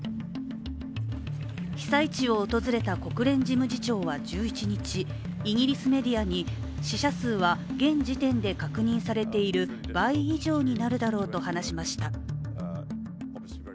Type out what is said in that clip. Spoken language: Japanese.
被災地を訪れた国連事務次長は１１日、イギリスメディアに死者数は現時点で確認されている倍以上になるだろうと話しました。